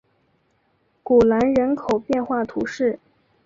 古兰人口变化图示